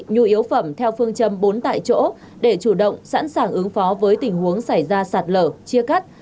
nhu yếu phẩm theo phương châm bốn tại chỗ để chủ động sẵn sàng ứng phó với tình huống xảy ra sạt lở chia cắt